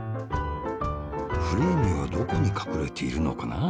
フレーミーはどこにかくれているのかな？